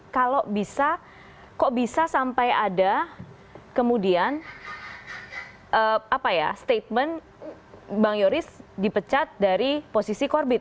kalau bisa kok bisa sampai ada kemudian statement bang yoris dipecat dari posisi korbit